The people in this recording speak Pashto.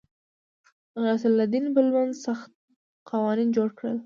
غیاث الدین بلبن سخت قوانین جوړ کړل.